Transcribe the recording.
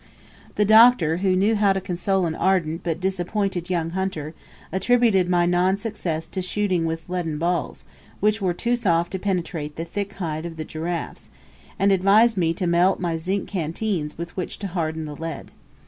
The Doctor, who knew how to console an ardent but disappointed young hunter, attributed my non success to shooting with leaden balls, which were too soft to penetrate the thick hide of the giraffes, and advised me to melt my zinc canteens with which to harden the lead.